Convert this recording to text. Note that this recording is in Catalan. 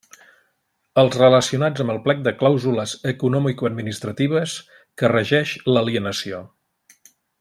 Els relacionats en el plec de clàusules economicoadministratives que regeix l'alienació.